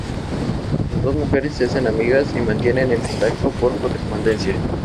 Las dos mujeres se hacen amigas y mantienen el contacto por correspondencia.